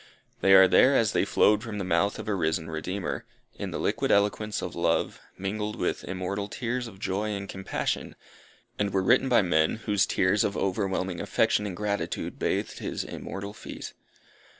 They are there as they flowed from the mouth of a risen Redeemer, in the liquid eloquence of love, mingled with immortal tears of joy and compassion, and were written by men whose tears of overwhelming affection and gratitude bathed his immortal feet.